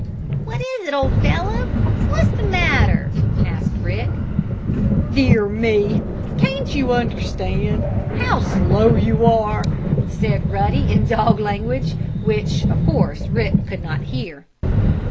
"What is it, old fellow? What's the matter?" asked Rick. "Dear me! Can't you understand? How slow you are!" said Ruddy, in dog language, which, of course, Rick could not hear.